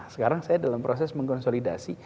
sekarang saya dalam proses mengkonsolidasi